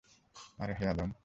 আর হে আদম!